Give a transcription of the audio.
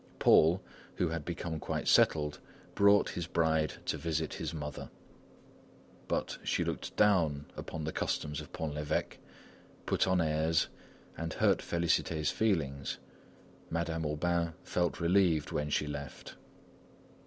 Paul, who had become quite settled, brought his bride to visit his mother. But she looked down upon the customs of Pont l'Evêque, put on airs, and hurt Félicité's feelings. Madame Aubain felt relieved when she left.